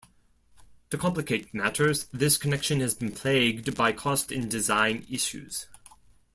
To complicate matters, this connection has been plagued by cost and design issues.